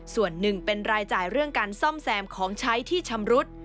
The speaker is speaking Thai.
ส่วนหนึ่งเป็นรายจ่ายเรื่องการซ่อมแซมของใช้ที่ชำรุด